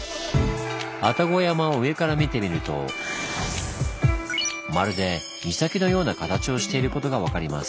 愛宕山を上から見てみるとまるで岬のような形をしていることが分かります。